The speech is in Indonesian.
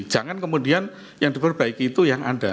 jangan kemudian yang diperbaiki itu yang ada